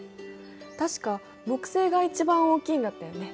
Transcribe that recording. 確か木星が一番大きいんだったよね？